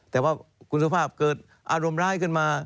แต่ว่าคุณสุภาพเกิดอารมณ์ร้ายขึ้นมา